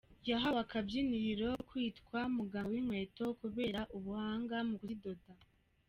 Yahawe akabyiniriro ko kwitwa muganga w’inkweto, kubera ubuhanga mu kuzidoda